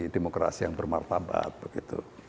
demokrasi yang bermartabat begitu